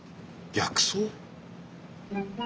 薬草？